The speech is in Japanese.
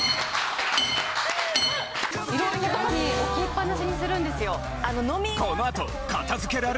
いろんなとこに置きっぱなしにするんですよ。